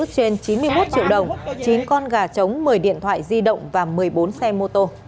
trên chín mươi một triệu đồng chín con gà trống một mươi điện thoại di động và một mươi bốn xe mô tô